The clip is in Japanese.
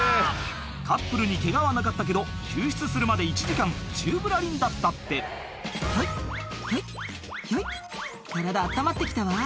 カップルにケガはなかったけど救出するまで１時間宙ぶらりんだったって「ひょいひょいひょい」「体温まって来たわ」